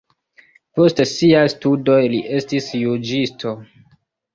Post siaj studoj li estis juĝisto.